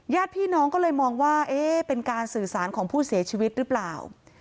ญาติพี่น้องก็เลยมองว่าเอ๊ะเป็นการสื่อสารของผู้เสียชีวิตหรือเปล่า